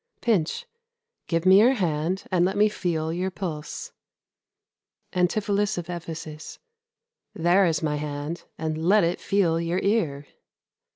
Pinch. Give me your hand, and let me feel your pulse. Ant. E. There is my hand, and let it feel your ear.